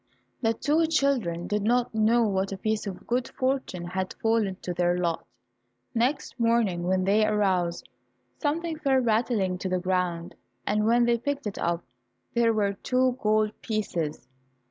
The two children did not know what a piece of good fortune had fallen to their lot. Next morning when they arose, something fell rattling to the ground, and when they picked it up there were two gold pieces!